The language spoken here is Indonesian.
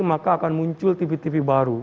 maka akan muncul tv tv baru